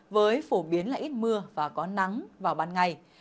với phổ biến là ít mưa và có nắng vào ban ngày